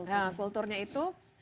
dari kulturnya itu